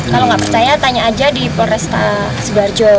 kalau nggak percaya tanya aja di polresta sidoarjo